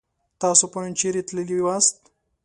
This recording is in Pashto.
تاسو پرون چيرې تللي واست؟